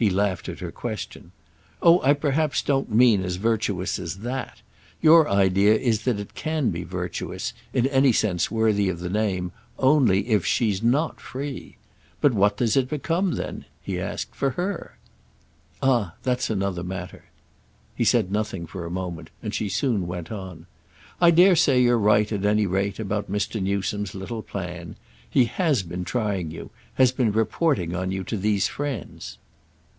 He laughed at her question. "Oh I perhaps don't mean as virtuous as that! Your idea is that it can be virtuous—in any sense worthy of the name—only if she's not free? But what does it become then," he asked, "for her?" "Ah that's another matter." He said nothing for a moment, and she soon went on. "I dare say you're right, at any rate, about Mr. Newsome's little plan. He has been trying you—has been reporting on you to these friends."